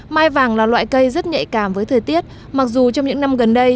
mai vàng là loại cây rất nhạy cảm với thời tiết mặc dù trong những năm gần đây